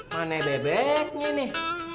mana bebeknya nih